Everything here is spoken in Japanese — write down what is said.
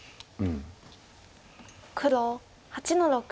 黒８の六。